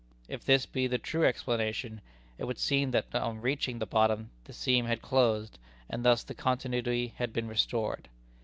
If this be the true explanation, it would seem that on reaching the bottom the seam had closed, and thus the continuity had been restored.